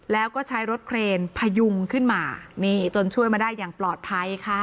แล้วก็ใช้รถเครนพยุงขึ้นมานี่จนช่วยมาได้อย่างปลอดภัยค่ะ